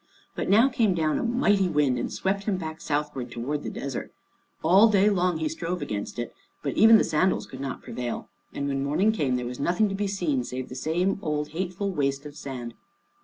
But now came down a mighty wind, and swept him back southward toward the desert. All day long he strove against it, but even the sandals could not prevail. And when morning came there was nothing to be seen, save the same old hateful waste of sand.